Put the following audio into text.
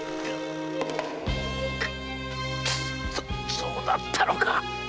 そうだったのか！